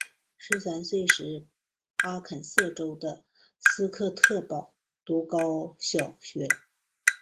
十三岁时阿肯色州的斯科特堡读高小学。